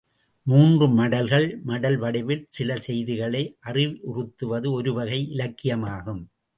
மூன்று மடல்கள் மடல் வடிவில் சில செய்திகளை அறிவுறுத்துவது ஒருவகை இலக்கியமாகும்.